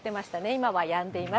今はやんでいます。